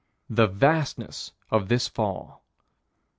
The vastness of this fall.